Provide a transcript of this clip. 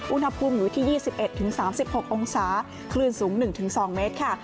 อุณหภูมิอยู่ที่๒๑๓๖องศาคลื่นสูง๑๒เมตรค่ะ